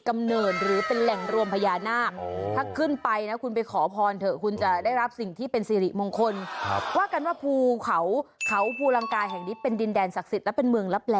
ไม่อยากไปทะเลก็อยู่กับเขาไหมเถอะ